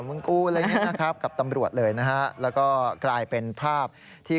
มึงกูอะไรอย่างเงี้นะครับกับตำรวจเลยนะฮะแล้วก็กลายเป็นภาพที่